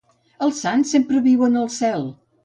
Els sants sempre viuen al cel.